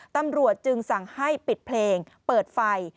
ตำรวจจึงสั่งให้ปิดเพลงเปิดไฟ